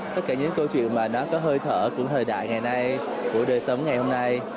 tất cả những câu chuyện mà nó có hơi thở của thời đại ngày nay của đời sống ngày hôm nay